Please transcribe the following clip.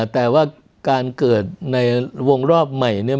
แต่ว่าการเกิดในวงรอบใหม่เนี่ย